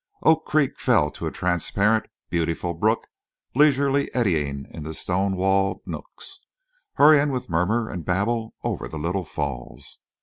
Oak Creek fell to a transparent, beautiful brook, leisurely eddying in the stone walled nooks, hurrying with murmur and babble over the little falls.